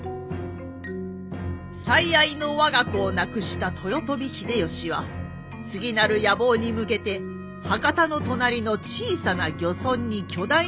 最愛の我が子を亡くした豊臣秀吉は次なる野望に向けて博多の隣の小さな漁村に巨大な城を建造。